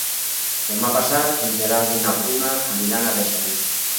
Demà passat en Gerard i na Bruna aniran a Besalú.